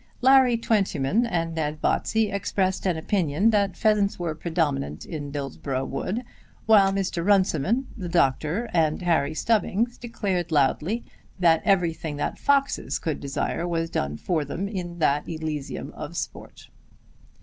Larry Twentyman and Ned Botsey expressed an opinion that pheasants were predominant in Dillsborough Wood, while Mr. Runciman, the doctor, and Harry Stubbings declared loudly that everything that foxes could desire was done for them in that Elysium of sport.